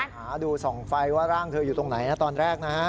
หาดูส่องไฟว่าร่างเธออยู่ตรงไหนนะตอนแรกนะฮะ